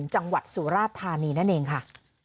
จังหวัดสุราธานีนั่นเองค่ะ